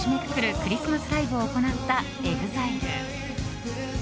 クリスマスライブを行ったＥＸＩＬＥ。